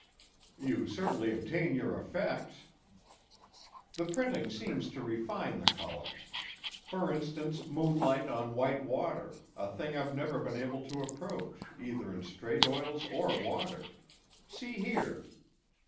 "You certainly obtain your effects." "The printing seems to refine the color. For instance, moonlight on white water, a thing I've never been able to approach, either in straight oils or water. See here."